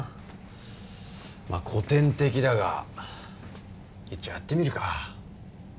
まあ古典的だが一丁やってみるか。